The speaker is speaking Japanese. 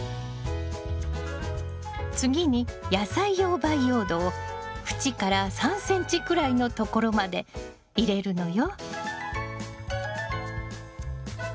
次に野菜用培養土を縁から３ｃｍくらいのところまで入れるのよ。